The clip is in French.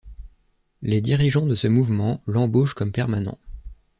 Les dirigeants de ce mouvement l'embauchent comme permanent.